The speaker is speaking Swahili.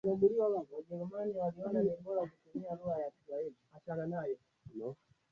Anatajwa kama mchezaji aliyekamilika zaidi akiwa na nguvu uwezo